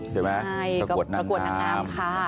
ใช่ไหมประกวดนักน้ำ